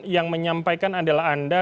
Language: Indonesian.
yang menyampaikan adalah anda